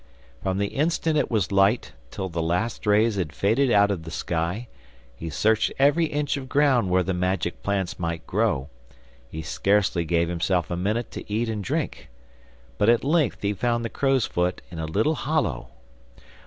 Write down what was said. From the instant it was light, till the last rays had faded out of the sky, he searched every inch of ground where the magic plants might grow; he scarcely gave himself a minute to eat and drink, but at length he found the crowsfoot in a little hollow!